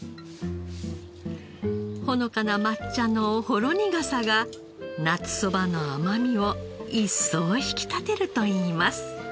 ほのかな抹茶のほろ苦さが夏そばの甘みを一層引き立てるといいます。